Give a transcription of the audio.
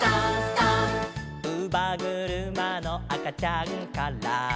「うばぐるまの赤ちゃんから」